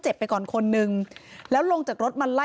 เหตุการณ์เกิดขึ้นแถวคลองแปดลำลูกกา